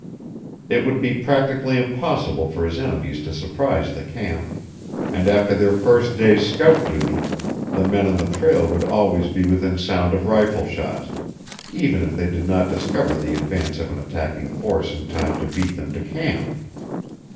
It would be practically impossible for his enemies to surprise the camp, and after their first day's scout duty the men on the trail would always be within sound of rifle shots, even if they did not discover the advance of an attacking force in time to beat them to camp.